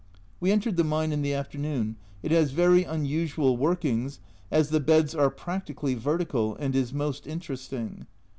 We entered the mine in the afternoon ; it has very unusual workings, as the beds are practically vertical, and is most interesting.